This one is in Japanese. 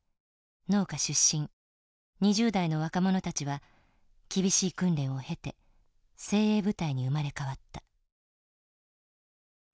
農家出身２０代の若者たちは厳しい訓練を経て精鋭部隊に生まれ変わった。